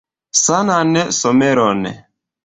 Sanan someron.